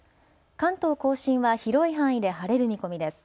関東甲信は広い範囲で晴れる見込みです。